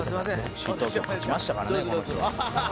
「ＦＣ東京勝ちましたからねこの日は」